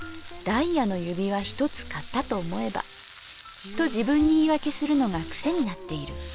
ダイヤの指輪一つ買ったと思えばと自分に言いわけするのが癖になっている。